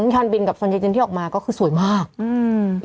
ยอนบิลกับส่วนเย็นที่ออกมาก็คือสวยมากอืม